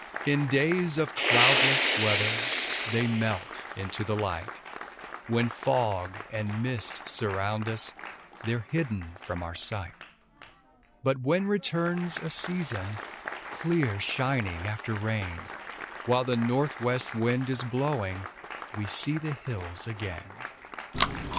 In days of cloudless weather They melt into the light; When fog and mist surround us They're hidden from our sight; But when returns a season Clear shining after rain, While the northwest wind is blowing, We see the hills again.